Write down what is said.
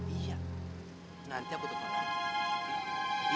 iya nanti aku depan lagi